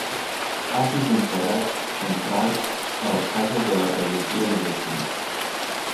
Patis empedrats central a les cases de la pagesia mallorquina.